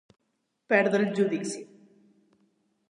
Perdre el judici.